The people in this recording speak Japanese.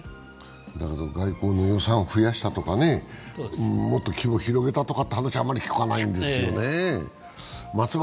だけど外交の予算を増やしたとかもっと規模を広げたという話はあんまり聞かないんですよね。